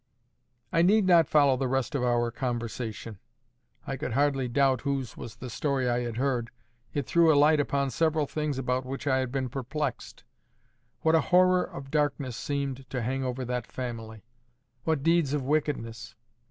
I need not follow the rest of our conversation. I could hardly doubt whose was the story I had heard. It threw a light upon several things about which I had been perplexed. What a horror of darkness seemed to hang over that family! What deeds of wickedness!